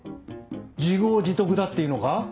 自業自得だって言うのか？